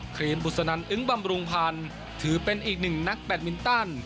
ครีมบุษนันอึ้งบำรุงพันธ์ถือเป็นอีกหนึ่งนักแบตมินตัน